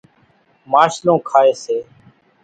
ماشلون کائيَ سي۔